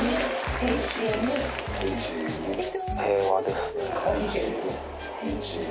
平和ですね。